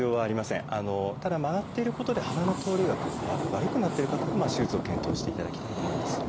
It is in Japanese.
ただ曲がっていることで鼻の通りが悪くなっている方は手術を検討していただきたいと思います。